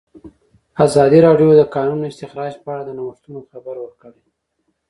ازادي راډیو د د کانونو استخراج په اړه د نوښتونو خبر ورکړی.